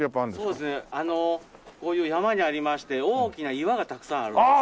そうですねこういう山にありまして大きな岩がたくさんあるんですよ。